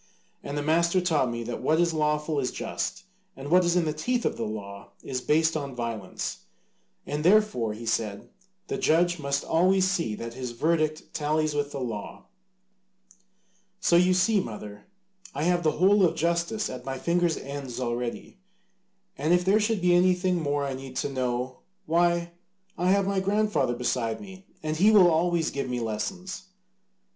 And the master taught me that what is lawful is just and what is in the teeth of law is based on violence, and therefore, he said, the judge must always see that his verdict tallies with the law. So you see, mother, I have the whole of justice at my fingers' ends already. And if there should be anything more I need to know, why, I have my grandfather beside me, and he will always give me lessons."